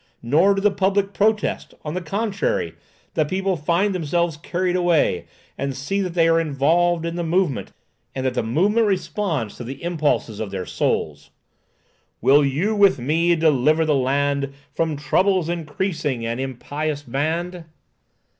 Nor do the public protest; on the contrary, the people find themselves carried away, and see that they are involved in the movement, and that the movement responds to the impulses of their souls. "Will you, with me, deliver the land, From troubles increasing, an impious band?"